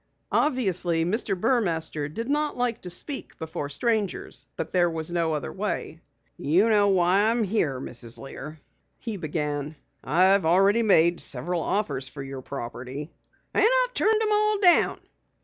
Obviously Mr. Burmaster did not like to speak before strangers, but there was no other way. "You know why I am here, Mrs. Lear," he began. "I've already made several offers for your property " "And I've turned 'em all down."